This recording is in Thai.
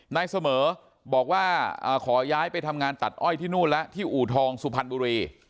นายเสมอบอกว่าขอย้ายไปทำงานตัดอ้อยที่นู่นแล้วที่อู่ทองสุพรรณบุรี